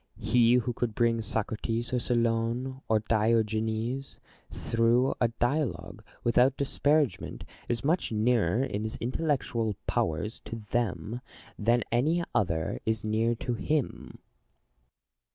He who could bring Socrates, or Solon, or Diogenes through a dialogue, without disparagement, is much nearer in his intellectual powers to them, than any other is near to him.